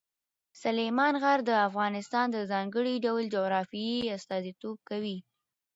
سلیمان غر د افغانستان د ځانګړي ډول جغرافیې استازیتوب کوي.